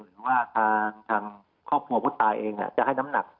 หรือว่าทางครอบครัวผู้ตายเองจะให้น้ำหนัก